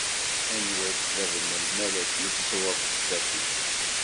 Anwa i d bab n lmal-agi i d-tezzewreḍ zdat-k?